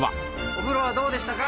お風呂はどうでしたか？